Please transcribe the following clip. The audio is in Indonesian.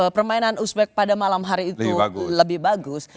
permainan uzbek pada malam hari itu lebih bagus